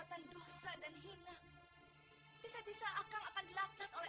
hai aku dapat satu persen dari buku pinjaman masya allah kang samir kang wied mudah mempelai